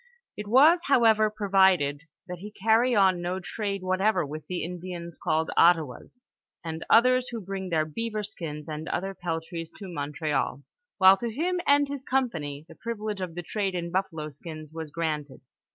It was, however, provided, " that he carry on no trade what ever with tlie Indians called Ottawas, and others who bring their beaver skins Bnd other peltries to Montreal," while to him and his company, the privilege of the trade in buffalo skins was granted.